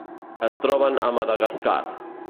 Es troben a Madagascar.